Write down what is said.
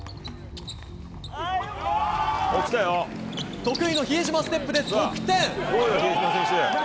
得意の比江島ステップで得点。